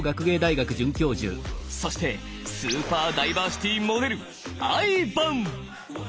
そしてスーパー・ダイバーシティモデルＩＶＡＮ！